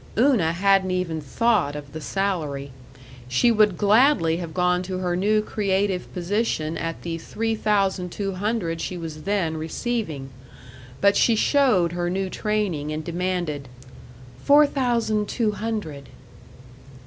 Una hadn't even thought of the salary. She would gladly have gone to her new creative position at the three thousand two hundred she was then receiving. But she showed her new training and demanded: "Four thousand two hundred."